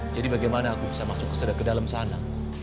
jadi bagaimana aku bisa masuk ke dalam sana